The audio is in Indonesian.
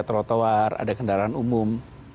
trotoar ada kendaraan umum